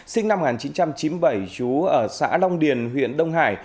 sinh năm một nghìn chín trăm chín mươi bảy chú ở xã long điền huyện đông hải